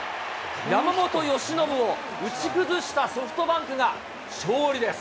山本由伸を打ち崩したソフトバンクが勝利です。